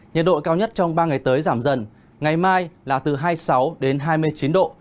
nhiệt độ cao nhất trong ba ngày tới giảm dần ngày mai là từ hai mươi sáu đến hai mươi chín độ